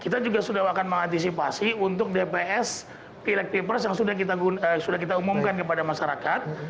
kita juga sudah akan mengantisipasi untuk dps pilek pilpres yang sudah kita umumkan kepada masyarakat